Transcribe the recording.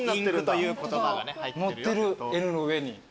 載ってる「ｎ」の上に。